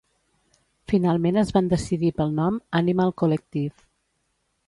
Finalment es van decidir pel nom "Animal Collective".